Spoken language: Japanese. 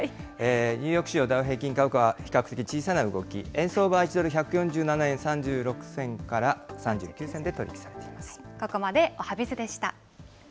ニューヨーク市場ダウ平均株価は比較的小さな動き、円相場は１ドル１４７円３６銭から３９銭で取り引きされています。